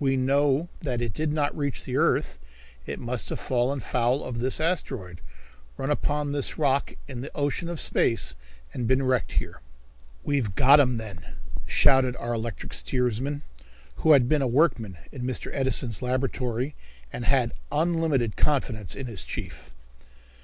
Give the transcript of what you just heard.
We know that it did not reach the earth. It must have fallen foul of this asteroid, run upon this rock in the ocean of space and been wrecked here." "We've got 'em, then," shouted our electric steersman, who had been a workman in Mr. Edison's laboratory and had unlimited confidence in his chief.